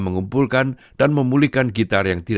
yang mungkin termasuk gitar asal